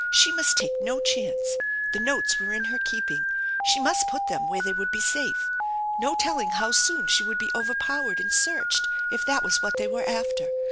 She must take no chance. The notes were in her keeping. She must put them where they would be safe. No telling how soon she would be overpowered and searched if that was what they were after.